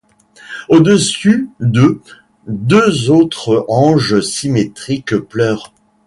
Au-dessus d'eux deux autres anges symétriques pleurent.